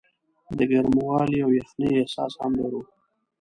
د ګرموالي او یخنۍ احساس هم لرو.